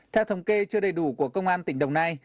theo thống kê chưa đầy đủ của công an tỉnh đồng nai